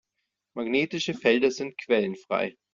Magnetische Felder sind quellenfrei.